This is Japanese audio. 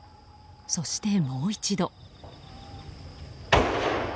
そして、もう一度。